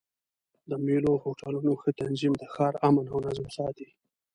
د مېلو او هوټلونو ښه تنظیم د ښار امن او نظم ساتي.